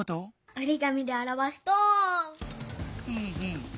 おりがみであらわすと。